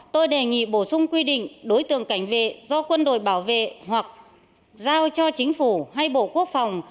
tôi đề nghị bổ sung quy định đối tượng cảnh vệ do quân đội bảo vệ hoặc giao cho chính phủ hay bộ quốc phòng